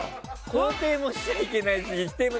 肯定もしちゃいけないし、否定も。